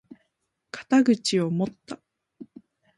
肩口を持った！